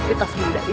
aku harus menolongnya